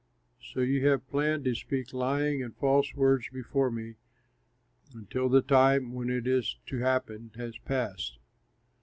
So you have planned to speak lying and false words before me, until the time when it is to happen has passed.